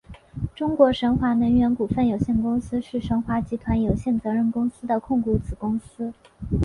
中国神华能源股份有限公司是神华集团有限责任公司的控股子公司。